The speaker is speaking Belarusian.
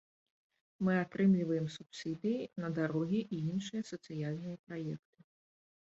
Мы атрымліваем субсідыі на дарогі і іншыя сацыяльныя праекты.